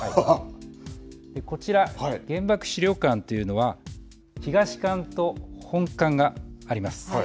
こちら、原爆資料館というのは東館と本館があります。